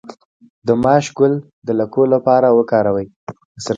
د ماش ګل د لکو لپاره وکاروئ